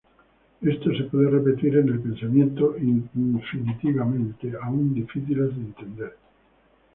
Esto se puede repetir en el pensamiento infinitamente, aún difíciles de entender.